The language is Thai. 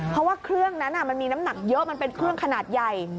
เพราะว่าเครื่องนั้นมันมีน้ำหนักเยอะมันเป็นเครื่องขนาดใหญ่